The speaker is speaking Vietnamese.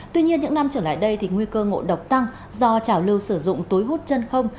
tuy nhiên những năm trở lại đây thì nguy cơ ngộ độc tăng do trào lưu sử dụng túi hút chân không